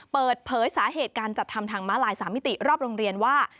เปิดเผยสาเหตุการจัดทำทางม้าลาย๓มิติรอบโรงเรียนว่า